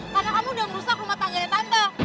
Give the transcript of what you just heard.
karena kamu udah ngerusak rumah tangganya tante